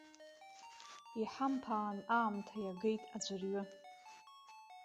Иҳамԥаан аамҭа иагеит аӡәырҩы.